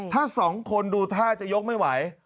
ถ้าสองคนดูท่าจะยกไม่ไหว